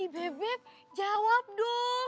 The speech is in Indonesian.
beb beb jawab dong